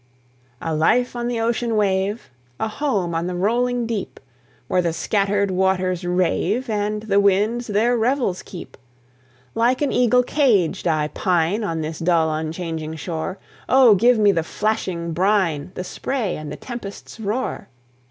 A life on the ocean wave, A home on the rolling deep, Where the scattered waters rave, And the winds their revels keep! Like an eagle caged, I pine On this dull, unchanging shore: Oh! give me the flashing brine, The spray and the tempest's roar!